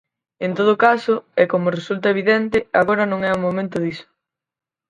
En todo caso, e como resulta evidente, agora non é o momento diso.